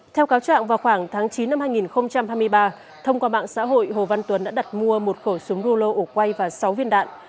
theo cáo trạng vào khoảng tháng chín năm hai nghìn hai mươi ba thông qua mạng xã hội hồ văn tuấn đã đặt mua một khẩu súng rulo ổ quay và sáu viên đạn